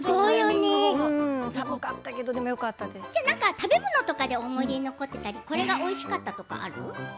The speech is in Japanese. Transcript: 食べ物とかで思い出に残っているもの、これがおいしかったとかは？